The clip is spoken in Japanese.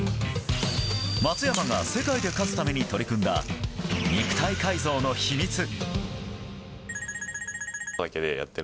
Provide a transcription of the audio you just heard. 松山が世界で勝つために取り組んだ、肉体改造の秘密。